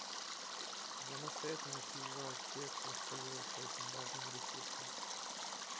Я настоятельно призываю всех воспользоваться этим важным ресурсом.